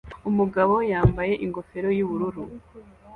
Umugabo yambaye ingofero yubururu